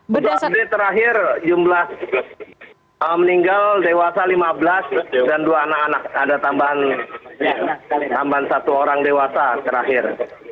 untuk update terakhir jumlah meninggal dewasa lima belas dan dua anak anak ada tambahan satu orang dewasa terakhir